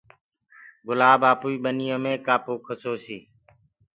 گُلآب آپوئي ٻنيو مي ڪآ پوکس هوسي